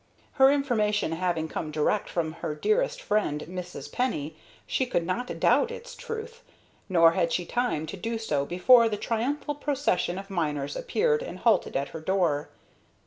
Her information having come direct from her dearest friend, Mrs. Penny, she could not doubt its truth, nor had she time to do so before the triumphal procession of miners appeared and halted at her very door.